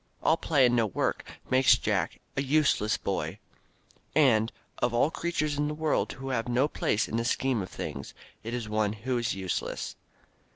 All play and no work makes Jack a useless boy, and of all creatures in the world who have no place in the scheme of things it is one who is useless.